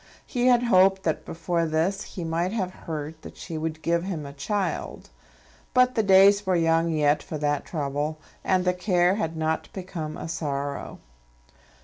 He had hoped that before this he might have heard that she would give him a child. But the days were young yet for that trouble, and the care had not become a sorrow.